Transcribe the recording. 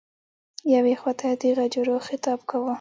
یوې خواته یې د غجرو خطاب کاوه.